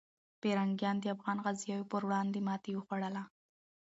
پرنګیان د افغان غازیو پر وړاندې ماتې وخوړله.